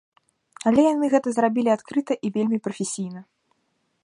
Але яны гэта зрабілі адкрыта і вельмі прафесійна.